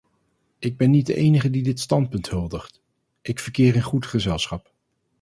Ik ben niet de enige die dit standpunt huldigt, ik verkeer in goed gezelschap.